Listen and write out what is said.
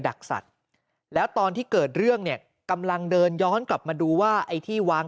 ดักสัตว์แล้วตอนที่เกิดเรื่องเนี่ยกำลังเดินย้อนกลับมาดูว่าไอ้ที่วาง